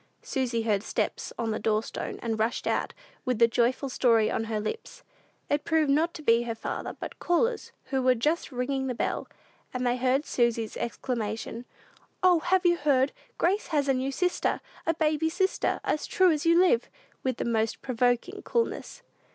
Susy heard steps on the door stone, and rushed out, with the joyful story on her lips. It proved to be not her father, but callers, who were just ringing the bell; and they heard Susy's exclamation, "O, have you heard? Grace has a new sister, a baby sister, as true as you live!" with the most provoking coolness.